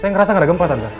saya ngerasa gak ada gempa